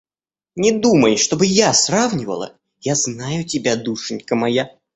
Не думай, чтобы я сравнивала... Я знаю тебя, душенька моя.